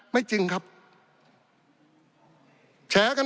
ปี๑เกณฑ์ทหารแสน๒